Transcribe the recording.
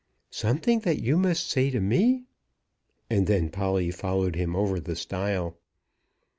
"Something that you must say to me!" And then Polly followed him over the stile.